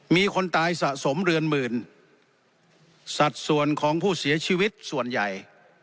มีคนตายสะสมเรือนหมื่นสัดส่วนของผู้เสียชีวิตส่วนใหญ่